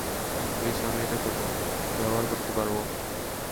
বেশ, আমি এটা ব্যবহার করতে পারব।